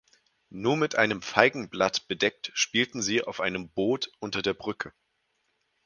Nur mit einem Feigenblatt bedeckt spielten sie auf einem Boot unter der Brücke.